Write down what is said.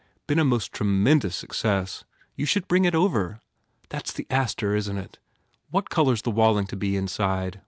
Been a most tremendous success. You should bring it over. That s the Astor, isn t it? What colour s the Walling to be inside?